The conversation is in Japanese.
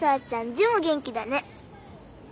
字も元気だね。